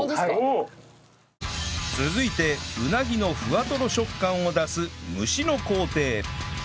続いてうなぎのふわとろ食感を出す蒸しの工程